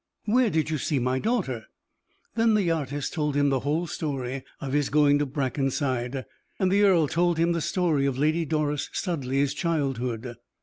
Where did you see my daughter?" Then the artist told him the whole story of his going to Brackenside, and the earl told him the story of Lady Doris Studleigh's childhood.